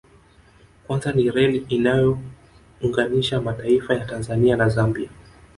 Kwanza ni reli inayoyounganisha mataifa ya Tanzania na Zambia